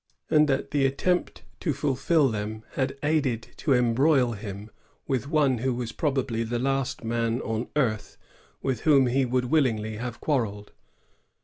and that the attempt to fulfil them had aided to embroil him with one who was probably the l^t man on earth with whom he would willingly have quarrelled.